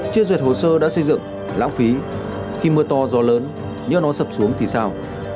chưa duyệt hồ sơ đã xây dựng lãng phí khi mưa to gió lớn nhưng nó sập xuống thì sao